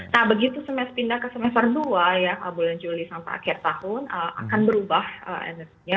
nah begitu semes pindah ke semester dua ya bulan juli sampai akhir tahun akan berubah energinya